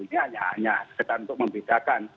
ini hanya sekedar untuk membedakan